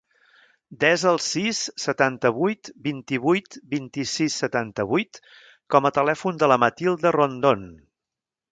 Desa el sis, setanta-vuit, vint-i-vuit, vint-i-sis, setanta-vuit com a telèfon de la Matilda Rondon.